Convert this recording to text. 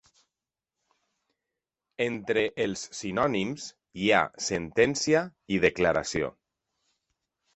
Entre els sinònims hi ha sentència i declaració.